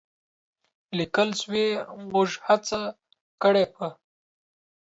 لیکل شوې، موږ هڅه کړې په